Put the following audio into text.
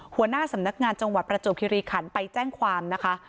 หัวหน้าสำนักงานจังหวัดประจวบคิริขันไปแจ้งความนะคะ